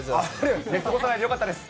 寝過ごさないでよかったです。